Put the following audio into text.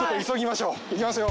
行きますよ。